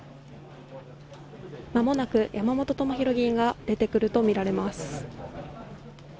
まもなく山本朋広議員が出てくると見られます。